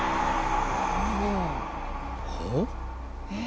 え？